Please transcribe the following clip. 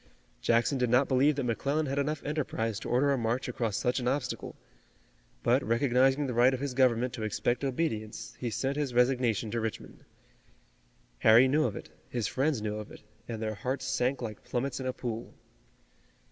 Jackson did not believe that McClellan had enough enterprise to order a march across such an obstacle, but recognizing the right of his government to expect obedience, he sent his resignation to Richmond. Harry knew of it, his friends knew of it, and their hearts sank like plummets in a pool.